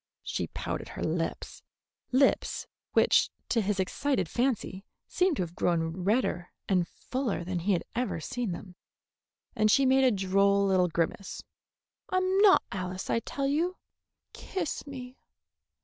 She pouted her lips, lips which to his excited fancy seemed to have grown redder and fuller than he had ever seen them, and she made a droll little grimace. "I'm not Alice, I tell you. Kiss me."